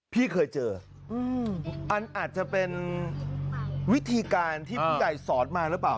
พี่เคยเจออันอาจจะเป็นวิธีการที่ผู้ใหญ่สอนมาหรือเปล่า